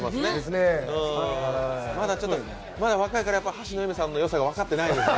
まだ若いから、はしのえみさんのよさが分かってないですね。